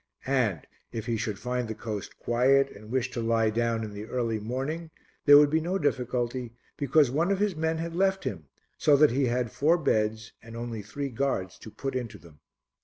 and, if he should find the coast quiet and wish to lie down in the early morning, there would be no difficulty, because one of his men had left him, so that he had four beds and only three guards to put into them.